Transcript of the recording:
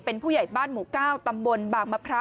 เป็นผู้ใหญ่บ้านหมู่๙ตำบลบางมะพร้าว